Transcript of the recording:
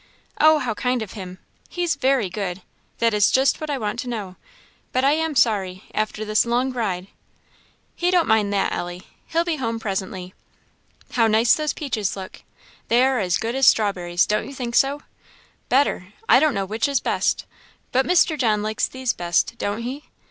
"Oh, how kind of him! he's very good; that is just what I want to know; but I am sorry, after this long ride " "He don't mind that, Ellie. He'll be home presently." "How nice those peaches look! they are as good as strawberries don't you think so? better I don't know which is best but Mr. John likes these best, don't he?